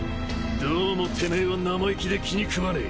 どうもてめえは生意気で気に食わねえ。